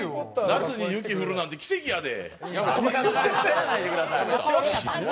夏に雪降るなんて奇跡やで。